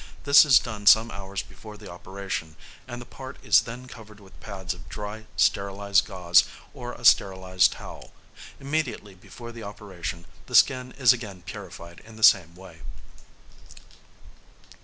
This is done some hours before the operation, and the part is then covered with pads of dry sterilised gauze or a sterilised towel. Immediately before the operation the skin is again purified in the same way.